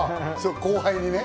後輩にね。